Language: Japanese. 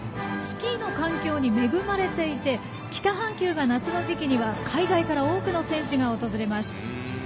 スキーの環境に恵まれていて北半球が夏の時期には海外から多くの選手が訪れます。